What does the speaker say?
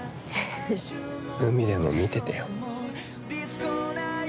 海でも見ててよ。